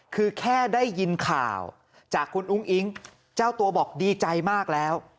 คือแค่ได้ยินข่าวจากคุณอุ้งอิ๊งเจ้าตัวบอกดีใจมากแล้ว